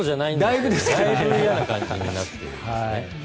だいぶ嫌な感じになってますね。